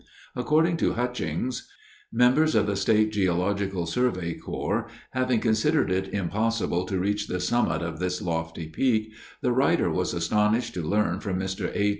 According to Hutchings: Members of the State Geological Survey Corps having considered it impossible to reach the summit of this lofty peak, the writer was astonished to learn from Mr. A.